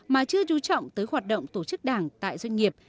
mà chưa trú trọng tới hoạt động tổ chức đảng tại doanh nghiệp